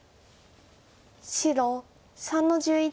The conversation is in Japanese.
白３の十一。